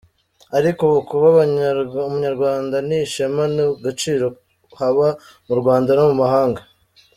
Ariko ubu kuba Umunyarwanda ni ishema, ni agaciro haba mu Rwanda no mu mahanga.